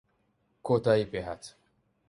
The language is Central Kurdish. کۆتایی پێهات